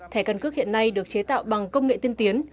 thẻ căn cước hiện nay được chế tạo bằng công nghệ tiên tiến